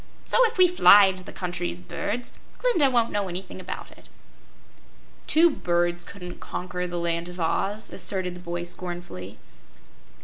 So, if we fly into the country as birds, Glinda won't know anything about it." "Two birds couldn't conquer the Land of Oz," asserted the boy, scornfully.